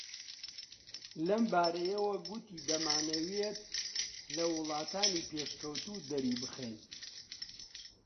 لەمبارەیەوە گوتی دەمانەوێت لە وڵاتانی پێشکەوتوو دەری بخەین